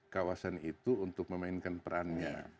kawasan itu untuk memainkan perannya